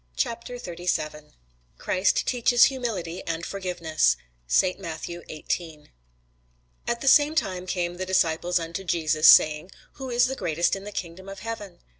CHAPTER 37 CHRIST TEACHES HUMILITY AND FORGIVENESS [Sidenote: St. Matthew 18] AT the same time came the disciples unto Jesus, saying, Who is the greatest in the kingdom of heaven?